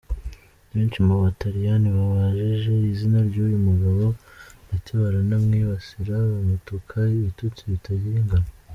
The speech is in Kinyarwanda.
Benshi mu bataliyani babajije izina ry’uyu mugabo ndetse baramwibasira, bamutuka ibitutsi bitagira ingano.